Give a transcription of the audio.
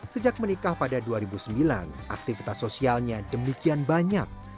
sejak menikah pada dua ribu sembilan aktivitas sosialnya demikian banyak